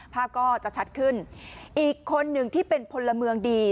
ภาพก็จะชัดขึ้นอีกคนหนึ่งที่เป็นพลเมืองดี